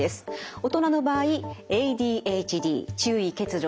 大人の場合ＡＤＨＤ注意欠如